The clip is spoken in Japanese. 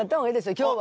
今日は。